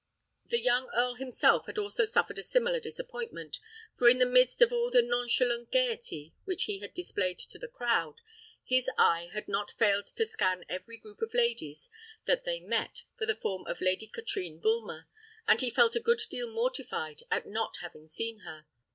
The young earl himself had also suffered a similar disappointment, for in the midst of all the nonchalant gaiety which he had displayed to the crowd, his eye had not failed to scan every group of ladies that they met for the form of Lady Katrine Bulmer, and he felt a good deal mortified at not having seen her.